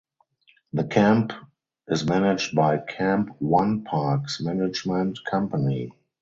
The camp is managed by Camp One parks management company.